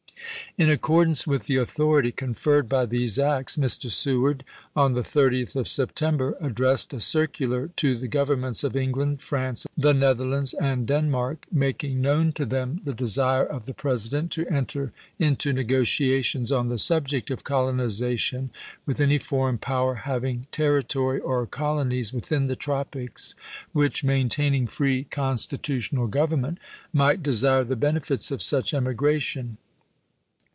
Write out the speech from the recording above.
In accordance with the authority conferred by these acts, Mr. Seward, on the 30th of September, 1862. addressed a circular to the governments of Eng land, France, the Netherlands, and Denmark, mak ing known to them the desire of the President to enter into negotiations on the subject of colonization with any foreign power having territory or colonies within the tropics, which, maintaining free consti tutional government, might desire the benefits of such emigration.